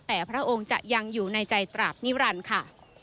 แต่พระองค์จะยังอยู่ในใจตราบนิรันดิ์ค่ะ